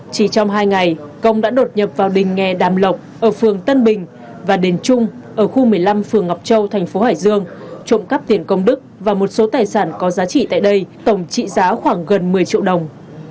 chỉ trong hai ngày công đã đột nhập vào đình nghe đàm lộc ở phường tân bình và đền trung ở khu một mươi năm phường ngọc châu thành phố hải dương trộm cắp tiền công đức và một số tài sản có giá trị tại đây tổng trị giá khoảng gần một mươi triệu đồng